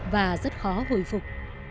và rất khó hồi phục